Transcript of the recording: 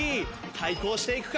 対抗していくか？